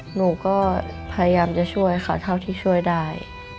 หนูก็พยายามจะช่วยค่ะเท่าที่ช่วยได้